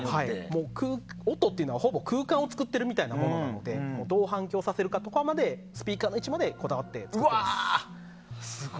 音というのは、ほぼ空間を作っているみたいなものなのでどう反響させるかスピーカーの位置までこだわって作ってます。